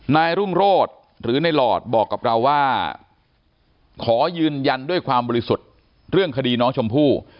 นายรุ่งโรธหรือในหลอดบอกกับเราว่าขอยืนยันด้วยความบริสุทธิ์เรื่องคดีน้องชมพู่